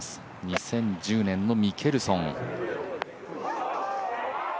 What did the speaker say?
２０１０年のミケルソン。